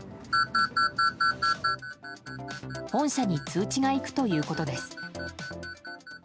本社に通知が行くということです。